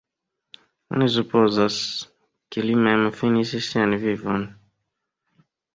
Oni supozas, ke li mem finis sian vivon.